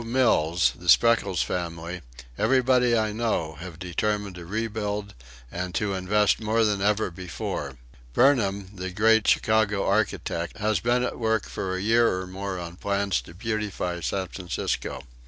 Mills, the Spreckels family, everybody I know, have determined to rebuild and to invest more than ever before. Burnham, the great Chicago architect, has been at work for a year or more on plans to beautify San Francisco.